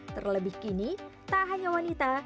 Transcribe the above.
terlebih kini tak hanya wanita